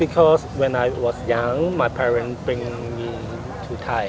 ก็เลยมาทำธุรกิจร่วมกัน